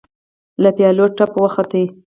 له پيالو تپ خوت.